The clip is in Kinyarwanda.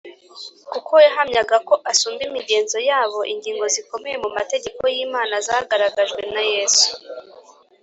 kuko yahamyaga ko asumba imigenzo yabo ingingo zikomeye mu mategeko y’imana zagaragajwe na yesu